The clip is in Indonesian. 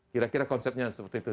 kira kira konsepnya seperti itu